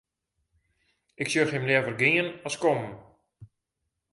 Ik sjoch him leaver gean as kommen.